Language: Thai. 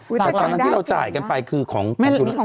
แต่ตอนนั้นที่เราจ่ายกันไปคือของทุน